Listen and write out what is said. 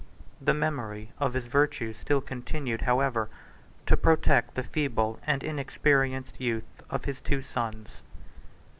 The memory of his virtues still continued, however, to protect the feeble and inexperienced youth of his two sons.